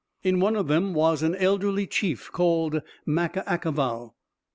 In one of them was an elderly chief, called Macca ackavow.